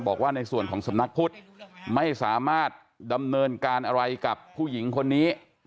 บอกว่าในส่วนของสำนักพุทธไม่สามารถดำเนินการอะไรกับผู้หญิงคนนี้